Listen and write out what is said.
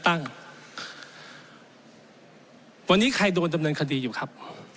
วันนี้ใครโดนดำเนินคดีอยู่ครับ